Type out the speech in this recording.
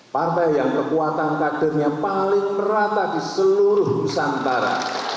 partai yang kekuatan kadernya paling merata di seluruh nusantara